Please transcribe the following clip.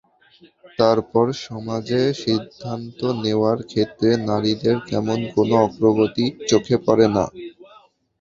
তারপর সমাজে সিদ্ধান্ত নেওয়ার ক্ষেত্রে নারীদের তেমন কোনো অগ্রগতি চোখে পড়ে না।